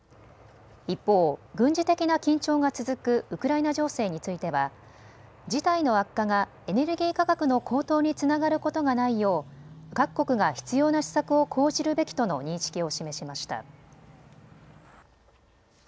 一方、軍事的な緊張が続くウクライナ情勢については事態の悪化がエネルギー価格の高騰につながることがないよう各国が必要な施策を講じるべきとの認識を示しました。